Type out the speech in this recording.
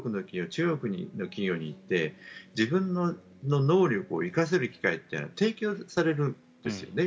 中国の企業に行って自分の能力を生かせる機会っていうのが提供されるんですよね。